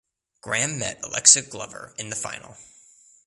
Graham met Alexa Glover in the final.